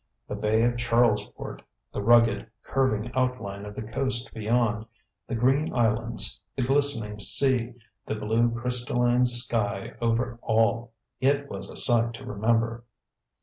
The Bay of Charlesport, the rugged, curving outline of the coast beyond, the green islands, the glistening sea, the blue crystalline sky over all it was a sight to remember.